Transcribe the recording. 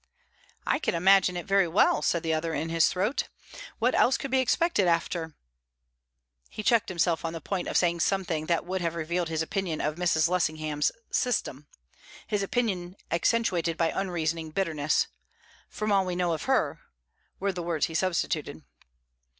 "I can imagine it very well," said the other, in his throat. "What else could be expected after " He checked himself on the point of saying something that would have revealed his opinion of Mrs. Lessingham's "system" his opinion accentuated by unreasoning bitterness. "From all we know of her," were the words he substituted.